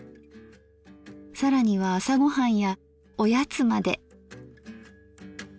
更には朝ご飯やおやつまで。